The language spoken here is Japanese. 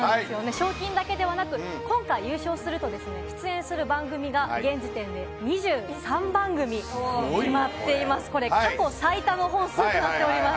賞金だけではなく、今回、優勝すると出演する番組が、すごい。決まっています。